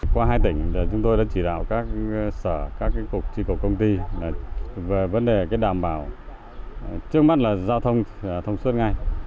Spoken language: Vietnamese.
qua hai tỉnh chúng tôi đã chỉ đạo các sở các cục chi cục công ty về vấn đề đảm bảo trước mắt là giao thông thông suốt ngay